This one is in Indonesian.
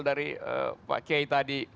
dari pak kiai tadi